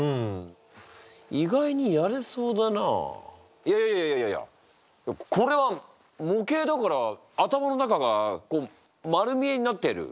いやいやいやいやこれは模型だから頭の中が丸見えになっている。